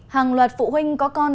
hàng loạt phụ huynh có con